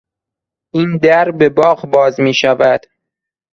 این در به باغ باز میشود.